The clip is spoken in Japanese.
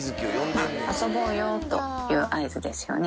遊ぼうよ！という合図ですよね。